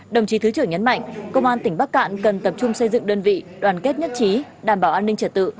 đồng chí thứ trưởng nhấn mạnh công an tỉnh bắc cạn cần tập trung xây dựng đơn vị đoàn kết nhất trí đảm bảo an ninh trật tự